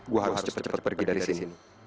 wah harus cepat cepat pergi dari sini